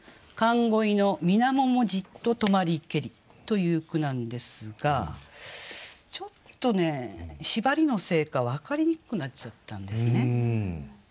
「寒鯉の水面もじつと止まりけり」という句なんですがちょっとね縛りのせいか分かりにくくなっちゃったんですね。